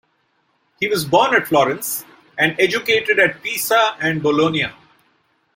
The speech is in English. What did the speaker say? He was born at Florence, and educated at Pisa and Bologna.